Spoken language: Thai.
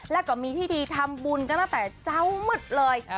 แล้วก็มีที่ทำบุญก็ตั้งแต่เจ้าหมึดเลย